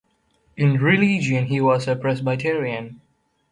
In religion, he was a Presbyterian.